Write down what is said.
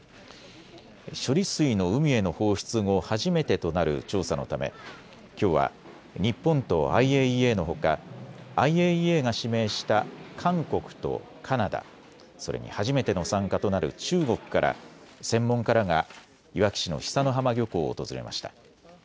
処理水の海への放出後、初めてとなる調査のためきょうは日本とＩＡＥＡのほかＩＡＥＡが指名した韓国とカナダ、それに初めての参加となる中国から専門家らがいわき市の久之浜漁港を訪れました。